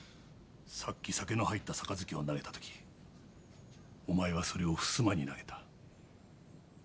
さっき酒の入った杯を投げた時お前はそれを襖に投げた。